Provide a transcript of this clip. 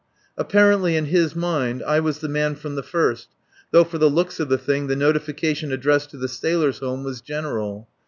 Apparently, in his mind, I was the man from the first, though for the looks of the thing the notification addressed to the Sailors' Home was general.